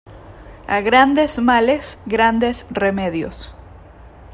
A grandes males, grandes remedios.